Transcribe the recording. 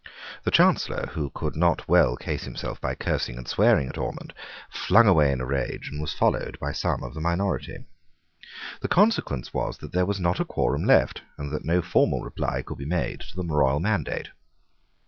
The Chancellor, who could not well case himself by cursing and swearing at Ormond, flung away in a rage, and was followed by some of the minority. The consequence was that there was not a quorum left, and that no formal reply could be made to the royal mandate.